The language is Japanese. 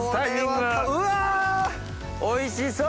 おいしそう！